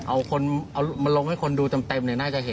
ออกมาลงให้คนดูเต็ม